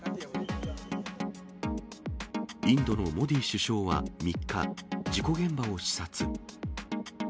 インドのモディ首相は３日、事故現場を視察。